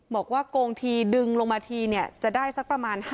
โกงทีดึงลงมาทีจะได้สักประมาณ